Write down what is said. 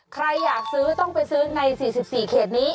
ใครอยากซื้อต้องไปซื้อใน๔๔เขตนี้